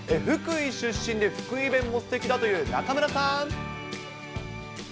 福井出身で、福井弁もすてきだという中村さん。